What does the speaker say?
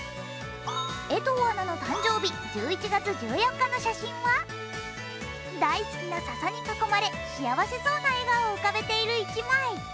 江藤アナの誕生日、１１月１４日の写真は大好きなささに囲まれ、幸せそうな笑顔を浮かべている１枚。